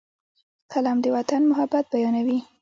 قلم د وطن محبت بیانوي